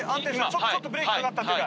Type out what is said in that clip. ちょっとブレーキかかったっていうか。